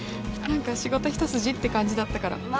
何か仕事一筋って感じだったから。